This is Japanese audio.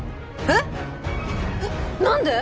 えっ何で？